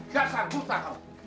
gak sabuk takut